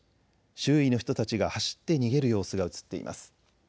周囲の人たちが走って逃げる様子が映っています。